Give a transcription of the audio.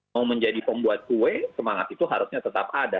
mau menjadi pembuat kue semangat itu harusnya tetap ada